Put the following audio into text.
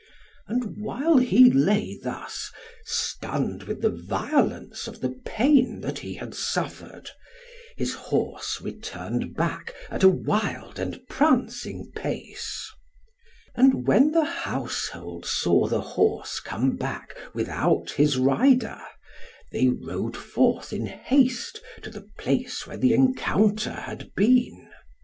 And while he lay thus, stunned with the violence of the pain that he had suffered, his horse returned back at a wild and prancing pace. And when the household saw the horse come back without his rider, they rode forth in haste to the place where the encounter had been.